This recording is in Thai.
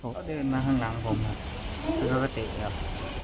เขาเดินมาข้างหลังผมเขาก็ติด